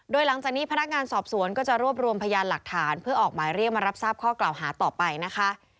โดยหลังจากนี้พนักงานสอบสวนก็จะรวบรวมพยานหลักฐานเพื่อออกหมายเรียกมารับทราบข้อกล่าวหาต่อไปนะคะ